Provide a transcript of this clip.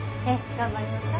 頑張りましょう！